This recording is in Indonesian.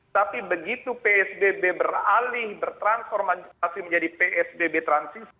tapi begitu psbb beralih bertransformasi menjadi psbb transisi